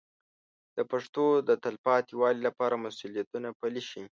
د پښتو د تلپاتې والي لپاره مسوولیتونه پلي شي.